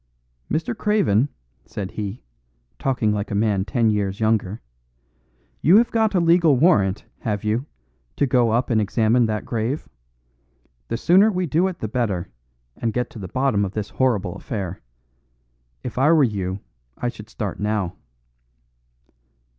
"Mr. Craven," said he, talking like a man ten years younger, "you have got a legal warrant, haven't you, to go up and examine that grave? The sooner we do it the better, and get to the bottom of this horrible affair. If I were you I should start now."